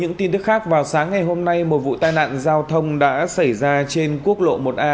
những tin tức khác vào sáng ngày hôm nay một vụ tai nạn giao thông đã xảy ra trên quốc lộ một a